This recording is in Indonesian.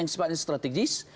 yang sifatnya strategis